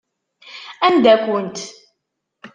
Anda-kent?